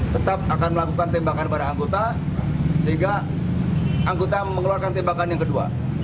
tetap akan melakukan tembakan pada anggota sehingga anggota mengeluarkan tembakan yang kedua